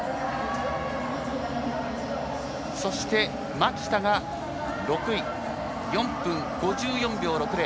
そして、蒔田が６位４分５４秒６０。